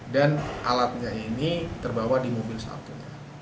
dan alatnya ini terbawa di mobil satunya